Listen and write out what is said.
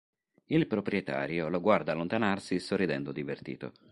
Il proprietario lo guarda allontanarsi sorridendo divertito.